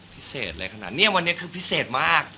พิเศษเลยขนาดนี้วันนี้คือพิเศษมาก